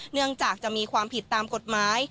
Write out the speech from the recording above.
เนื่องจากจะมีความผิดตามกฎหมาย